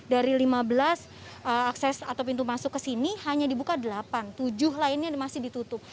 dari lima belas akses atau pintu masuk ke sini hanya dibuka delapan tujuh lainnya masih ditutup